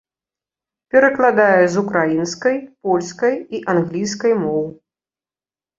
Перакладае з украінскай, польскай і англійскай моў.